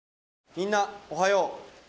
みんなおはよう。